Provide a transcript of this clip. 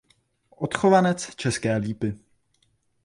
Odchovanec České Lípy.